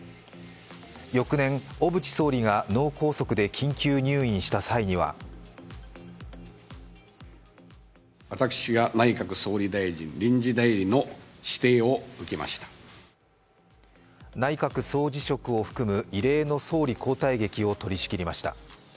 翌年、小渕総理が脳梗塞で緊急入院した際には内閣総辞職を含む異例の総理交代劇を取り仕切りました。